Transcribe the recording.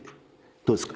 どうですか？